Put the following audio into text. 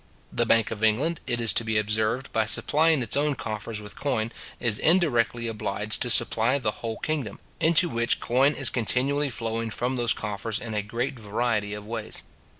The Bank of England, it is to be observed, by supplying its own coffers with coin, is indirectly obliged to supply the whole kingdom, into which coin is continually flowing from those coffers in a great variety of ways.